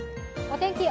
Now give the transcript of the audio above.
お天気